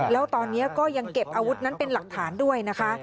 แล้วตอนนี้ก็ยังเก็บอาวุธนั้นเป็นหลักฐานด้วยนะคะ